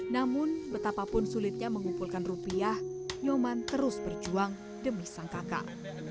namun betapapun sulitnya mengumpulkan rupiah nyoman terus berjuang demi sang kakak